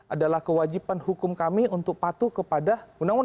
adalah kewajiban hukum kami untuk patuh kepada bawaslu